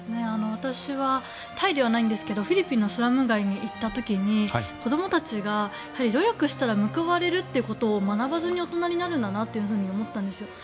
私はタイではないんですがフィリピンのスラム街に行った時に、子どもたちが努力したら報われるということを学ばずに大人になるんだなと思ったんですよ。